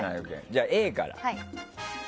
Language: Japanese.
じゃあ、Ａから。